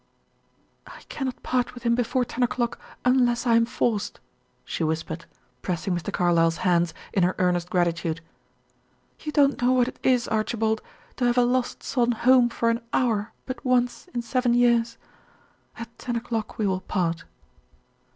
"I cannot part with him before ten o'clock, unless I am forced," she whispered, pressing Mr. Carlyle's hands, in her earnest gratitude. "You don't know what it is, Archibald, to have a lost son home for an hour but once in seven years. At ten o'clock we will part."